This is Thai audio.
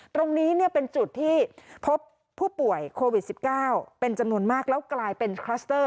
ตรงนี้เป็นจุดที่พบผู้ป่วยโควิด๑๙เป็นจำนวนมากแล้วกลายเป็นคลัสเตอร์